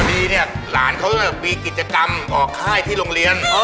มีเนี่ยหลานเขามีกิจกรรมออกค่ายที่โรงเรียน